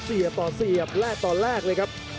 เสียบต่อเสียบและแนบต่อแนบเลยครับ